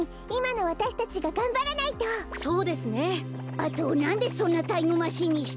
あとなんでそんなタイムマシーンにしたの？